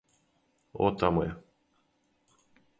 О, тамо је.